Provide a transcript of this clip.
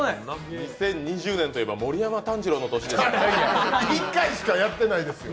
２０２０年といえば、盛山炭治郎の年ですよ。